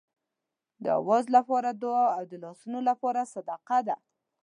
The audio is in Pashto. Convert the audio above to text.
د آواز لپاره دعا او د لاسونو لپاره صدقه ده.